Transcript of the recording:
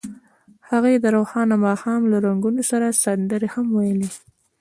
هغوی د روښانه ماښام له رنګونو سره سندرې هم ویلې.